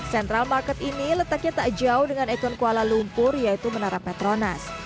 central market ini letaknya tak jauh dengan ekon kuala lumpur yaitu menara petronas